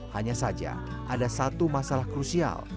hanya saja ada satu masalah krusial